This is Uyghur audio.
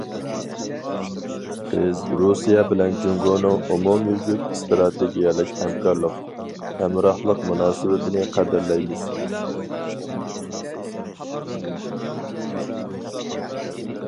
بىز رۇسىيە بىلەن جۇڭگونىڭ ئومۇميۈزلۈك ئىستراتېگىيەلىك ھەمكارلىق، ھەمراھلىق مۇناسىۋىتىنى قەدىرلەيمىز.